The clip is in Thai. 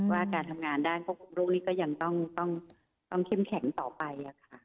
ว่าการทำงานด้านควบคุมโรคนี้ก็ยังต้องเข้มแข็งต่อไป